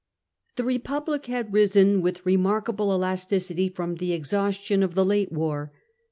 The Republic had risen with remarkable elasticity from the exhaustion of the late war.